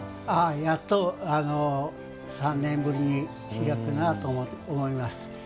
やっと３年ぶりに開くなと思います。